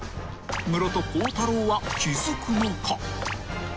［ムロと孝太郎は気付くのか］